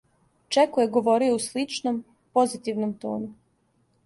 Чеку је говорио у сличном, позитивном тону.